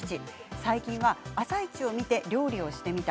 最近は「あさイチ」を見て料理をしてみた。